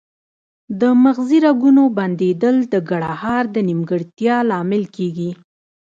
د مغزي رګونو بندیدل د ګړهار د نیمګړتیا لامل کیږي